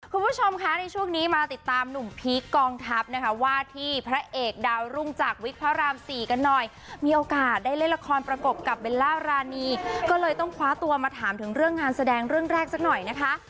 คุณผู้ชมคะในช่วงนี้มาติดตามหนุ่มพีคกองทัพนะคะว่าที่พระเอกดาวรุ่งจากวิทย์พระรามสี่กันหน่อยมีโอกาสได้เล่นละครประกบกับเบลล่ารานีก็เลยต้องคว้าตัวมาถามถึงเรื่องงานแสดงเรื่องแรกสักหน่อยนะคะ